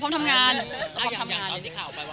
ถ้าอย่างตอนที่ข่าวไปว่า